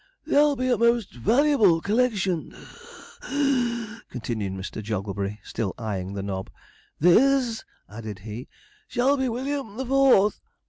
'They'll be a most valuable collection (wheeze puff),' continued Mr. Jogglebury, still eyeing the knob. 'This,' added he, 'shall be William the Fourth.'